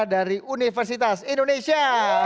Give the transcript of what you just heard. dari universitas indonesia